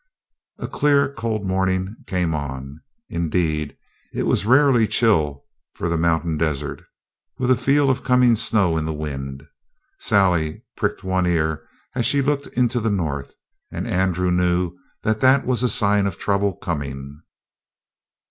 A clear, cold morning came on. Indeed, it was rarely chill for the mountain desert, with a feel of coming snow in the wind. Sally pricked one ear as she looked into the north, and Andrew knew that that was a sign of trouble coming.